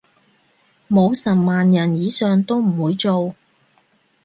冇十萬人以上都唔會做